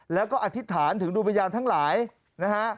แล้วก็อธิษฐานถึงดวงวิญญาณทั้งหลายนะฮะ